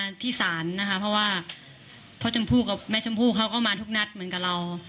ทุกครั้งที่มาสานนะครับเพราะว่าพระจำพู่กับแม่จำพู่เขาก็มาทุกนัดเหมือนกับเรา